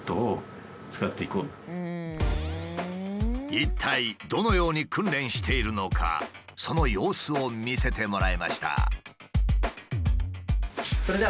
一体どのように訓練しているのかその様子を見せてもらいました。